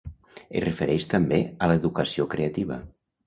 Es refereix també a l'Educació Creativa.